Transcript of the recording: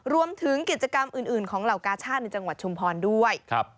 รวมถึงกิจกรรมอื่นของเหล่ากาชาติในจังหวัดชุมพรด้วย